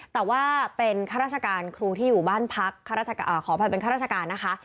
แต่ว่าเป็นข้าราชการครูที่อยู่บ้านพักขออภัยเป็นข้าราชการนะคะ